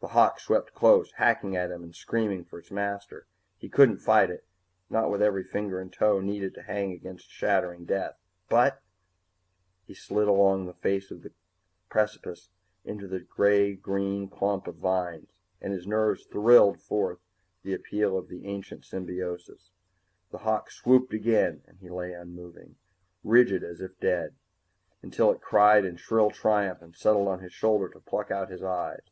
The hawk swept close, hacking at him and screaming for its master. He couldn't fight it, not with every finger and toe needed to hang against shattering death, but He slid along the face of the precipice into a gray green clump of vines, and his nerves thrilled forth the appeal of the ancient symbiosis. The hawk swooped again and he lay unmoving, rigid as if dead, until it cried in shrill triumph and settled on his shoulder to pluck out his eyes.